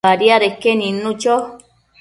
Badiadeque nidnu cho